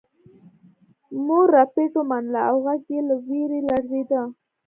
مور ربیټ ومنله او غږ یې له ویرې لړزیده